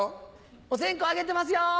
お線香上げてますよ！